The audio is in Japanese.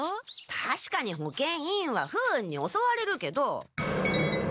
たしかに保健委員は不運におそわれるけど。